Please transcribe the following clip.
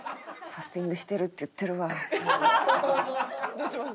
どうします？